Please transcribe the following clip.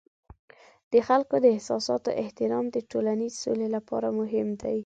د خلکو د احساساتو احترام د ټولنیز سولې لپاره مهم دی.